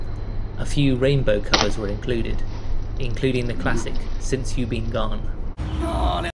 A few Rainbow covers were included, including the classic "Since You Been Gone".